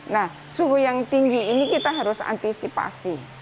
nah suhu yang tinggi ini kita harus antisipasi